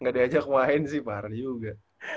gak di ajak main sih parah juga